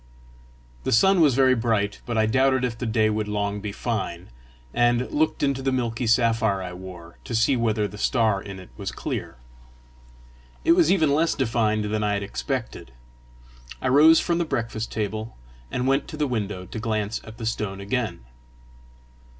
The sun was very bright, but I doubted if the day would long be fine, and looked into the milky sapphire I wore, to see whether the star in it was clear. It was even less defined than I had expected. I rose from the breakfast table, and went to the window to glance at the stone again.